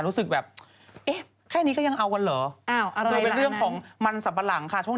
รู้สึกแบบแค่นี้ก็ยังเอากันเหรอ